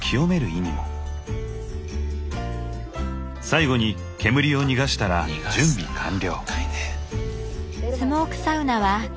最後に煙を逃がしたら準備完了。